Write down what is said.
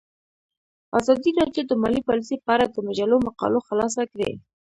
ازادي راډیو د مالي پالیسي په اړه د مجلو مقالو خلاصه کړې.